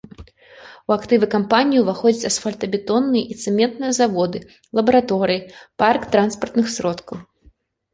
У актывы кампаніі ўваходзяць асфальтабетонныя і цэментныя заводы, лабараторыі, парк транспартных сродкаў.